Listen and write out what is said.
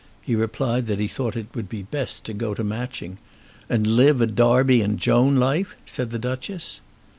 He replied that he thought it would be best to go to Matching. "And live a Darby and Joan life?" said the Duchess.